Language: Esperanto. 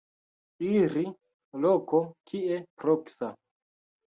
Iri loko kie proksa.